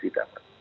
jadi kita akan